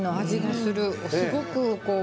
すごく、こう。